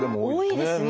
多いですね